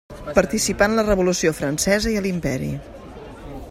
Participà en la revolució francesa i a l'Imperi.